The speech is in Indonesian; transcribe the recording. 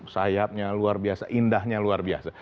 sayapnya luar biasa indahnya luar biasa